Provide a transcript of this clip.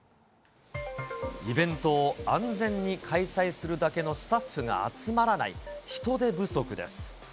イベントを安全に開催するだけのスタッフが集まらない、人手不足です。